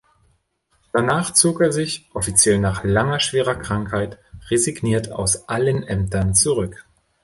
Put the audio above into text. Danach zog er sich, offiziell nach „langer, schwerer Krankheit“, resigniert aus allen Ämtern zurück.